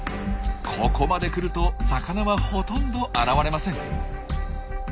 ここまで来ると魚はほとんど現れません。